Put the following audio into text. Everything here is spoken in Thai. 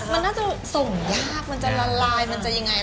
มันน่าจะส่งยากมันจะละลายมันจะยังไง